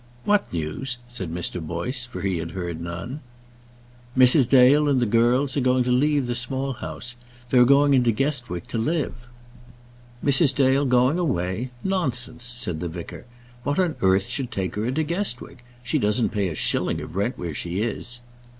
"What news?" said Mr. Boyce, for he had heard none. "Mrs. Dale and the girls are going to leave the Small House; they're going into Guestwick to live." "Mrs. Dale going away; nonsense!" said the vicar. "What on earth should take her into Guestwick? She doesn't pay a shilling of rent where she is."